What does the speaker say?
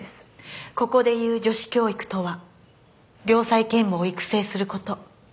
ここでいう女子教育とは良妻賢母を育成する事。